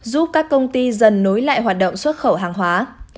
giúp các công ty dần nối lại hoạt động xuất khẩu hàng hóa